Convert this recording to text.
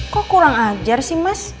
kok kurang ajar sih mas